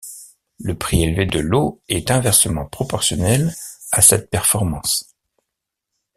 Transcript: Le prix élevé de l'eau est inversement proportionnel à cette performance.